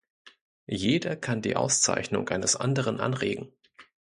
Jeder kann die Auszeichnung eines Anderen anregen.